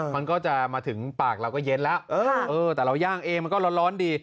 มันก็จะมาถึงปากเราก็เย็นแล้วแต่เราย่างเองมันก็ร้อนดี